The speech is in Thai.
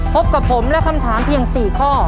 พบกับผมและคำถามเพียง๔ข้อ